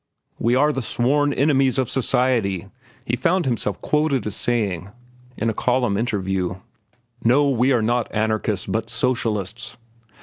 "We are the sworn enemies of society," he found himself quoted as saying in a column interview. "No, we are not anarchists but socialists."